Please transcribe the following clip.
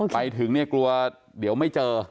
ไปถึงเนี่ยกลัวเดี๋ยวไม่เจอ